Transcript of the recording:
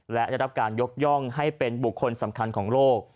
และได้รับการยกย่องให้เป็นบุคคลสำคัญของโลก